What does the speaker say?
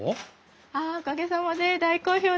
あっおかげさまで大好評です。